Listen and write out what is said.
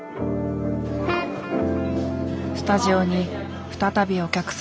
スタジオに再びお客さん。